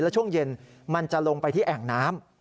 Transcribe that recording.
แล้วช่วงเย็นมันจะลงไปที่แอ่งน้ำ